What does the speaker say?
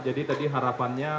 jadi tadi harapannya